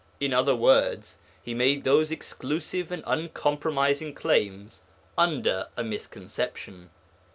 In other words he made those exclusive and uncompromising claims under a misconception.